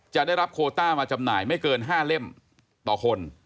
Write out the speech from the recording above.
ได้รับโคต้ามาจำหน่ายไม่เกิน๕เล่มต่อคน